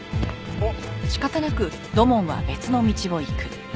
あっ。